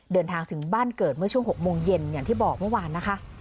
เดินทางถึงบ้านเกิดเมื่อช่วง๖โมงเย็นอย่างที่บอกเมื่อวานนะคะ